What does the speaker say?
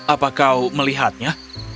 apa kau melihatnya